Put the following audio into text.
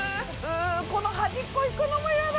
この端っこ行くのも嫌だ！